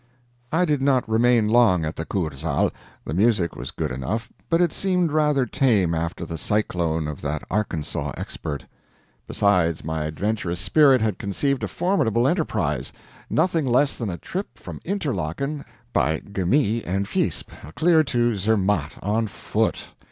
I did not remain long at the Kursaal; the music was good enough, but it seemed rather tame after the cyclone of that Arkansaw expert. Besides, my adventurous spirit had conceived a formidable enterprise nothing less than a trip from Interlaken, by the Gemmi and Visp, clear to Zermatt, on foot!